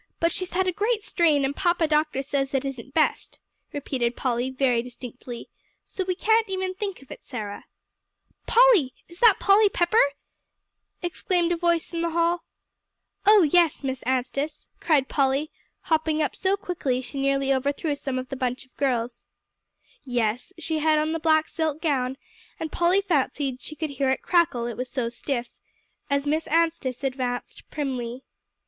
"But she's had a great strain, and Papa Doctor says it isn't best," repeated Polly very distinctly, "so we can't even think of it, Sarah." "Polly? is that Polly Pepper?" exclaimed a voice in the hall. [Illustration: AND SHE TOLD THEM THE WHOLE STORY AS FAST AS SHE COULD.] "Oh, yes, Miss Anstice," cried Polly, hopping up so quickly she nearly overthrew some of the bunch of girls. Yes, she had on the black silk gown, and Polly fancied she could hear it crackle, it was so stiff, as Miss Anstice advanced primly.